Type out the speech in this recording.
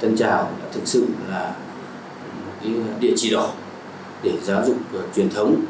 tân trào thực sự là một địa chỉ đỏ để giáo dục truyền thống